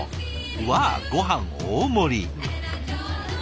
わあごはん大盛り。